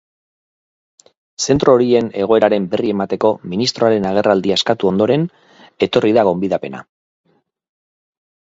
Zentro horien egoeraren berri emateko ministroaren agerraldia eskatu ondoren etorri da gonbidapena.